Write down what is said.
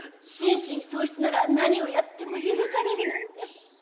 心神喪失なら何をやっても許されるなんて。